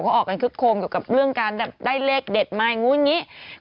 เขาออกกันคึกโคมเกี่ยวกับเรื่องการได้เลขเด็ดมาอย่างนู้นอย่างนี้